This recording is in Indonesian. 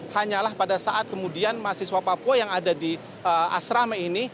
hanyalah pada saat kemudian mahasiswa papua yang ada di asrama ini